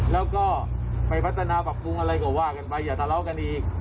แล้วก็ไปพัฒนาปรับปรุงอะไรก็ว่ากันไปอย่าทะเลาะกันอีก